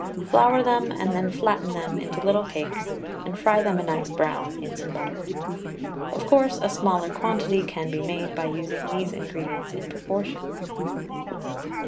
Flour them, and then flatten them into little cakes and fry them a nice brown in some butter. Of course, a smaller quantity can be made by using these ingredients in proportion.